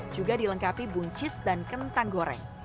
juga dilengkapi buncis dan kentang goreng